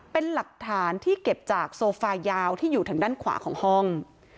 เป็นหลักฐานที่เก็บจากโซฟายาวที่อยู่ทางด้านขวาของห้อง